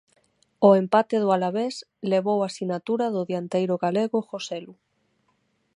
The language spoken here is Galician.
O empate do Alavés levou a sinatura do dianteiro galego Joselu.